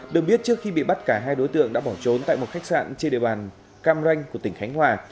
được biết trước khi bị bắt cả hai đối tượng đã bỏ trốn tại một khách sạn trên địa bàn cam ranh của tỉnh khánh hòa